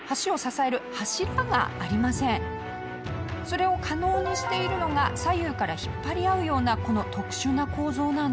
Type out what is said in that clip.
それを可能にしているのが左右から引っ張り合うようなこの特殊な構造なんです。